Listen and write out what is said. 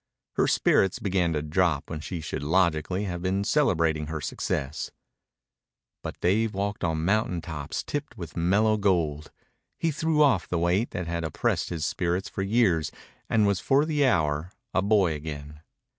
Her spirits began to droop when she should logically have been celebrating her success. But Dave walked on mountain tops tipped with mellow gold. He threw off the weight that had oppressed his spirits for years and was for the hour a boy again.